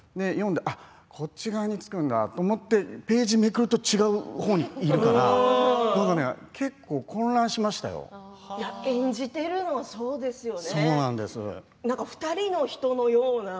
こっち側につくんだって思ってページをめくると違う方にいるから演じているの、そうですよね。